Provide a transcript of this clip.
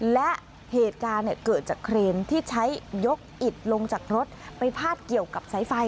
และเหตุการณ์เกิดจากเครนที่ใช้ยกอิดลงจากรถไปพาดเกี่ยวกับสายไฟ